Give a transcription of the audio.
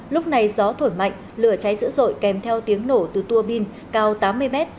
lúc này gió thổi mạnh lửa cháy dữ dội kèm theo tiếng nổ từ tua bin cao tám mươi mét